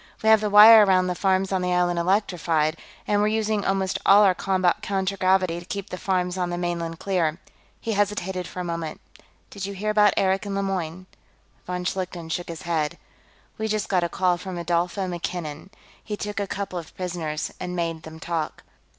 We have the wire around the farms on the island electrified, and we're using almost all our combat contragravity to keep the farms on the mainland clear." He hesitated for a moment. "Did you hear about Eric and Lemoyne?" Von Schlichten shook his head. "We just got a call from Rodolfo MacKinnon. He took a couple of prisoners and made them talk.